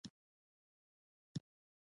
د نیالګیو کینول ملي وجیبه ده؟